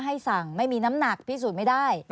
สั่งไม่มีน้ำหนักพิสูจน์ไม่ได้